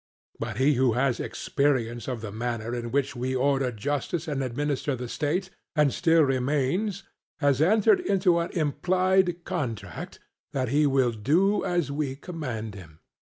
But he who has experience of the manner in which we order justice and administer the state, and still remains, has entered into an implied contract that he will do as we command him.